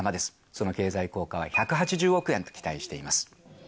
その経済効果は１８０億円と期待しています。